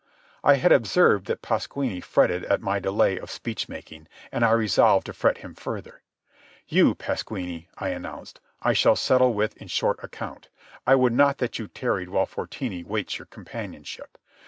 I had observed that Pasquini fretted at my delay of speech making, and I resolved to fret him further. "You, Pasquini," I announced, "I shall settle with in short account. I would not that you tarried while Fortini waits your companionship.